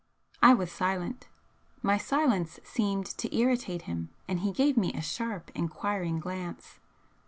I was silent. My silence seemed to irritate him, and he gave me a sharp, enquiring glance.